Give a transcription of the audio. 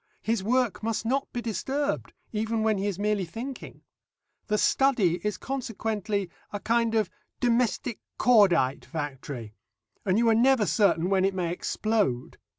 His work must not be disturbed even when he is merely thinking. The study is consequently a kind of domestic cordite factory, and you are never certain when it may explode.